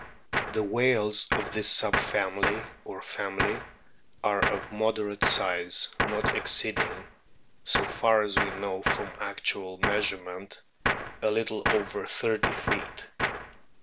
The whales of this sub family or family are of moderate size, not exceeding so far as we know from actual measurement a little over thirty feet.